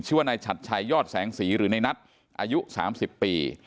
ชื่อว่านายฉัดชัยยอดแสงสีหรือในนัทอายุ๓๐ปี